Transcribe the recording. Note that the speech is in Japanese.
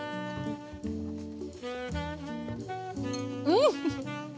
うん！